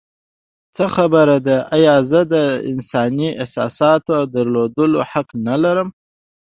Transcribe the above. څه خبره ده؟ ایا زه د انساني احساساتو د درلودو حق نه لرم؟